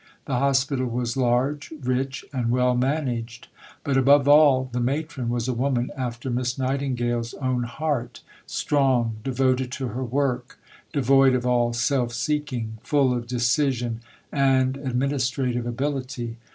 The Hospital was large, rich, and well managed. But, above all, the Matron was a woman after Miss Nightingale's own heart, strong, devoted to her work, devoid of all self seeking, full of decision and administrative ability.